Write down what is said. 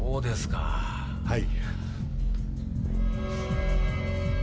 はい。